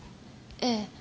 ええ。